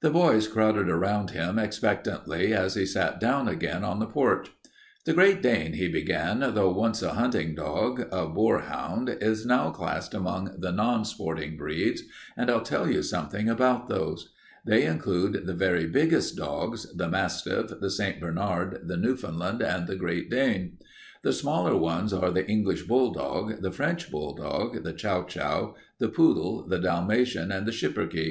The boys crowded around him expectantly as he sat down again on the porch. "The Great Dane," he began, "though once a hunting dog, a boarhound, is now classed among the non sporting breeds, and I'll tell you something about those. They include the very biggest dogs the mastiff, the St. Bernard, the Newfoundland, and the Great Dane. The smaller ones are the English bulldog, the French bulldog, the chow chow, the poodle, the Dalmatian, and the schipperke.